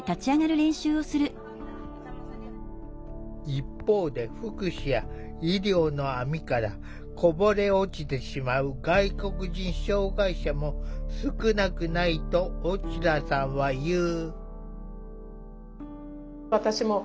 一方で福祉や医療の網からこぼれ落ちてしまう外国人障害者も少なくないとオチラさんは言う。